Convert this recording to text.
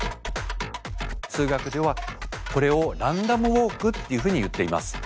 数学ではこれをランダムウォークっていうふうにいっています。